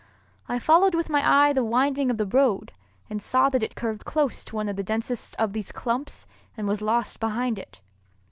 I followed with my eye the winding of the road and saw that it curved close to one of the densest of these clumps and was lost behind it.